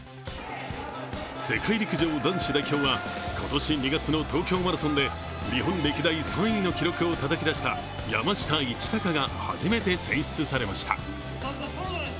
世界陸上・男子代表は今年２月の東京マラソンで日本歴代３位の記録をたたき出した山下一貴が初めて選出されました。